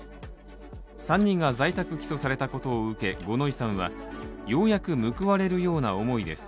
３人が在宅起訴されたことを受け五ノ井さんは、ようやく報われるような思いです